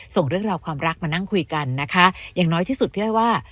ส่งเรื่องราวความรักมานั่งคุยกันนะคะอย่างน้อยที่สุดพี่อ้อยว่า